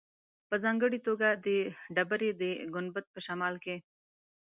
په ځانګړې توګه د ډبرې د ګنبد په شمال کې.